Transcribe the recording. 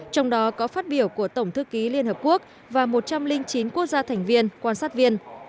trong đó có phát biểu của tổng thư ký liên hợp quốc và một trăm linh chín quốc gia thành viên quan sát viên